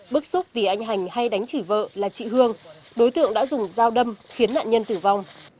bức xúc vì anh hành hay đánh chỉ vợ là chị hương đối tượng đã dùng dao đâm khiến nạn nhân tử vong